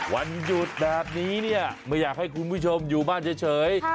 วันหยุดแบบนี้เนี่ยไม่อยากให้คุณผู้ชมอยู่บ้านเฉย